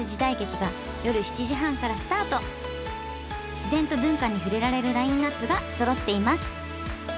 自然と文化に触れられるラインナップがそろっています